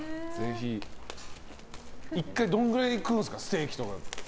１回でどれぐらい食うんですかステーキとか。